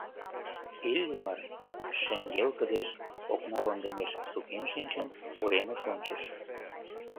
Иллимар, шеҥгел кыдеж окналондемеш сукен шинчын, уремыш ончыш.